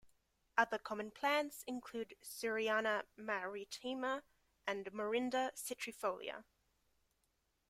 Other common plants include "Suriana maritima" and "Morinda citrifolia".